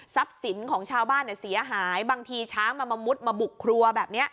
สินของชาวบ้านเสียหายบางทีช้างมันมามุดมาบุกครัวแบบนี้